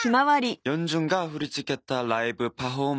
ＹＥＯＮＪＵＮが振り付けたライブパフォーマンス。